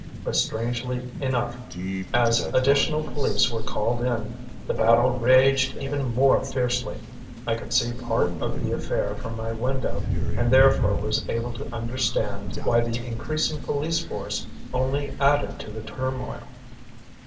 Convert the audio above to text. But strangely enough, as additional police were called in, the battle raged even more fiercely. I could see part of the affair from my window and therefore was able to understand why the increasing police force only added to the turmoil.